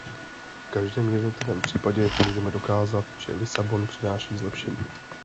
V každém jednotlivém případě můžeme dokázat, že Lisabon přináší zlepšení.